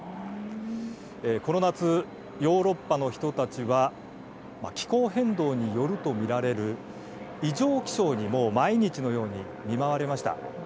この夏、ヨーロッパの人たちは気候変動によるとみられる異常気象に毎日のように見舞われました。